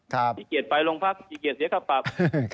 สิ่งนี้ไปร่วงพรรคสีเกียจเสียะคาปรัป